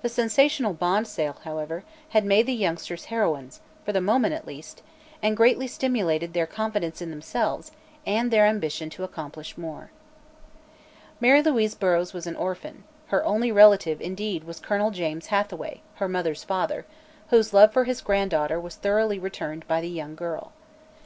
The sensational bond sale, however, had made the youngsters heroines for the moment, at least and greatly stimulated their confidence in themselves and their ambition to accomplish more. Mary Louise Burrows was an orphan; her only relative, indeed, was Colonel James Hathaway, her mother's father, whose love for his granddaughter was thoroughly returned by the young girl.